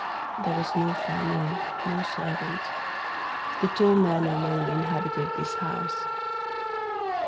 There was no family, no servant; the tall man alone inhabited this house.